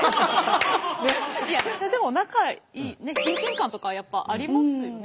いやでも仲いい親近感とかやっぱありますよね。